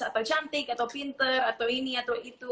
atau cantik atau pinter atau ini atau itu